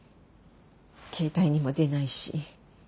携帯にも出ないし。